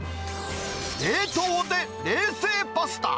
冷凍で冷製パスタ。